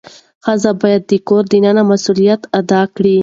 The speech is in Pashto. ښځه باید د کور دننه مسؤلیت ادا کړي.